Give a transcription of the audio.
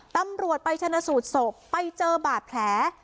ตำรวจไปชนะสูตรศพไปเจอบาดแผล